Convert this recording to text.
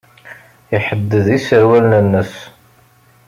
Iḥedded iserwalen-nnes.